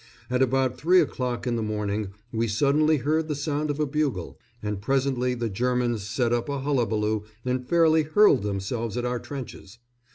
At about three o'clock in the morning we suddenly heard the sound of a bugle, and presently the Germans set up a hullabaloo and fairly hurled themselves at our trenches.